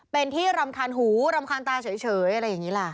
เป็นที่รำคาญหูรำคาญตาเฉยอะไรอย่างนี้ล่ะ